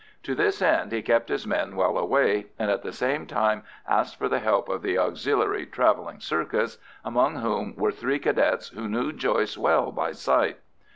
To this end, he kept his men well away, and at the same time asked for the help of the Auxiliary "travelling circus," among whom were three Cadets who knew Joyce well by sight.